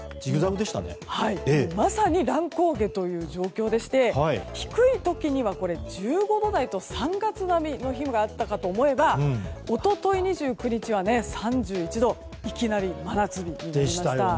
まさに乱高下という状況でして低い時には１５度台と３月並みの日があったかと思えば一昨日２９日は３１度といきなり真夏日でした。